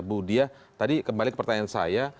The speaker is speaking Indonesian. bu diah tadi kembali ke pertanyaan saya